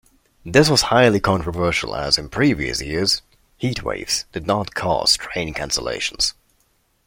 This was highly controversial as, in previous years, 'heatwaves' did not cause train cancellations.